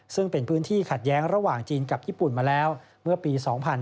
ซึ่งเป็นพื้นที่ขัดแย้งระหว่างจีนกับญี่ปุ่นมาแล้วเมื่อปี๒๕๕๙